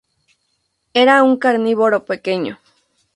Era un carnívoro pequeño.